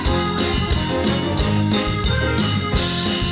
ใครเป็นคู่ควรแม่คุณ